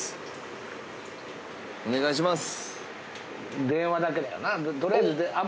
お願いします。